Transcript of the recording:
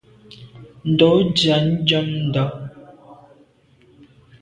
Ndo ndia nnjam ndà.